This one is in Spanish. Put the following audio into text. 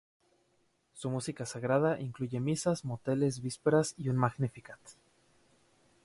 Su música sagrada incluye misas, motetes, vísperas y un Magnificat.